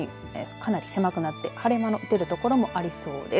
かなり狭くなって晴れ間の出る所もありそうです。